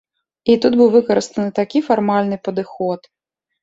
І тут быў выкарыстаны такі фармальны падыход.